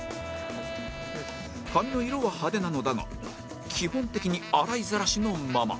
髪の色は派手なのだが基本的に洗いざらしのまま